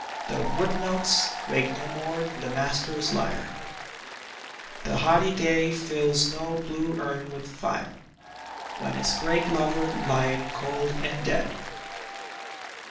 The ' Woodnotes ' wake no more the Master's lyre ; The ' haughty day ' fills no * blue urn with fire * When its great lover lieth cold and dead